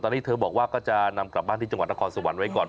ตอนนี้เธอบอกว่าก็จะนำกลับบ้านที่จังหวัดนครสวรรค์ไว้ก่อน